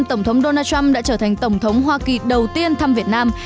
tổng thống donald trump đã trở thành tổng thống hoa kỳ đầu tiên thăm việt nam